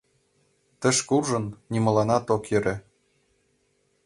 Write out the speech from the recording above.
Туш куржын, нимоланат ок йӧрӧ!